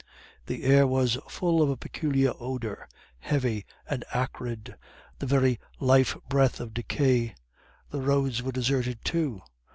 The air was full of a peculiar odour, heavy and acrid, the very life breath of decay. The roads were deserted too.